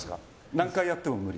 何回やっても無理。